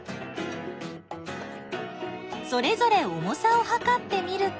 それぞれ重さをはかってみると。